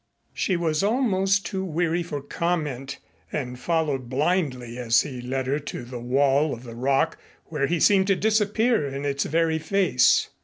She was almost too weary for comment and followed blindly as he led her to the wall of the rock where he seemed to disappear in its very face.